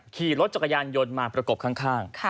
ขี่รถจักรยานยนต์มาประกบข้าง